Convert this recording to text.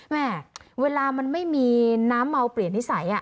เวลามันไม่มีน้ำเมาเปลี่ยนนิสัย